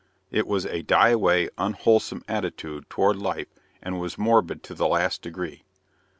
It was a die away, unwholesome attitude toward life and was morbid to the last degree.